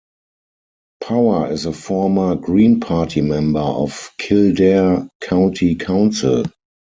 Power is a former Green Party member of Kildare County Council.